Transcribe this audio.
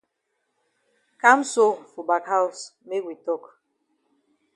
Kam so for back haus make we tok.